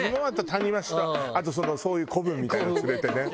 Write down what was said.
タニマチとあとそういう子分みたいなのを連れてね。